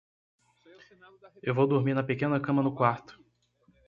Eu vou dormir na pequena cama no quarto.